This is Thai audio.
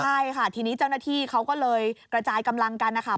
ใช่ค่ะทีนี้เจ้าหน้าที่เขาก็เลยกระจายกำลังกันนะคะ